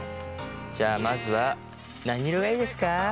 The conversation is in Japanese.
じゃあまずは何色がいいですか？